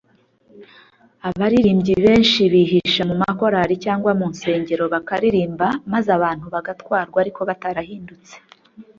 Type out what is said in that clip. Abaririmbyi benshi bihisha mu makorari cyangwa mu nsengero bakaririmba maze abantu bagatwarwa ariko batarahindutse